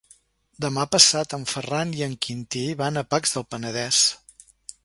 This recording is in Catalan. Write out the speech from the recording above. Demà passat en Ferran i en Quintí van a Pacs del Penedès.